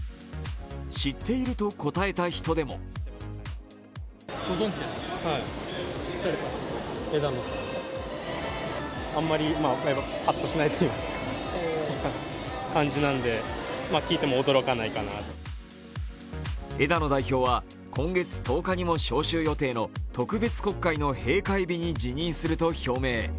知っていると答えた人でも枝野代表は今月１０日にも召集予定の特別国会の閉会日に辞任すると表明。